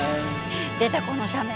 出たこの斜面。